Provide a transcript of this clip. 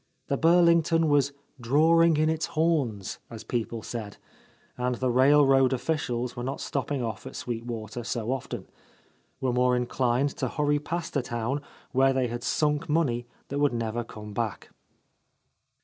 The Burlington was "drawing in its horns," as people said, and the railroad oificials were not stopping off at Sweet Water so often, — ^were more inclined to hurry past a town where they had sunk money that would never come back.